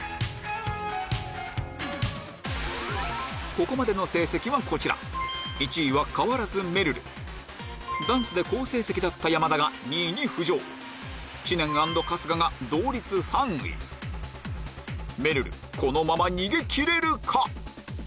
ここまでの成績はこちら１位は変わらずめるるダンスで好成績だった山田が２位に浮上知念＆春日が同率３位めるるこのまま逃げ切れるか？